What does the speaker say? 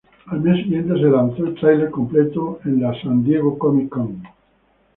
Al mes siguiente, se lanzó el tráiler completo en la San Diego Comic-Con.